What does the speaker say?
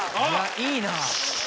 いいな。